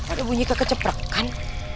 ada bunyikan keceprekan